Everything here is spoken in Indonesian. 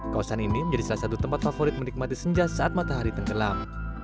kawasan ini menjadi salah satu tempat favorit menikmati senja saat matahari tenggelam